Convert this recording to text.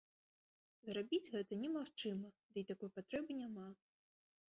Зрабіць гэта немагчыма, дый такой патрэбы няма.